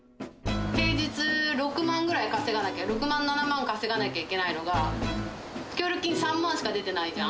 平日６万ぐらいかせがなきゃ、６万、７万稼がなきゃいけないのが、協力金３万しか出てないじゃん。